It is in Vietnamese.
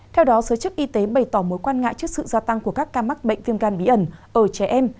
theo đó giới chức y tế bày tỏ mối quan ngại trước sự gia tăng của các ca mắc bệnh viêm gan bí ẩn ở trẻ em